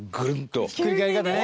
柴田：ひっくり返り方ね。